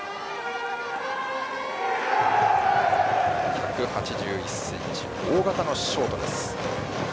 １８１ｃｍ大型のショートです。